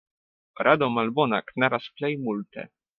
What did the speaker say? Rado malbona knaras plej multe.